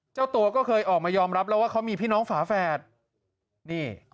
เจ้าตัวก็เคยออกมายอมรับแล้วว่าเขามีพี่น้องฝาแฝดนี่